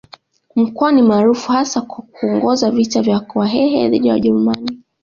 Mkwawa ni maarufu hasa kwa kuongoza vita vya Wahehe dhidi ya Wajerumani